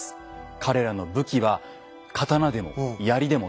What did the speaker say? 彼らの武器は刀でもやりでも鉄砲でもなく。